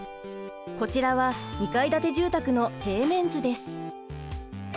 こちらは２階建て住宅の平面図です。